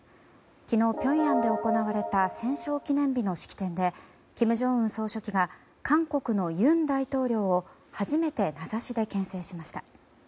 昨日、ピョンヤンで行われた戦勝記念日の式典で金正恩総書記が韓国の尹大統領を初めて名指しで牽制しました。